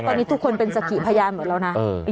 ตอนนี้ทุกคนเป็นศักดิ์ขีพยายามเหมือนเรานะเออ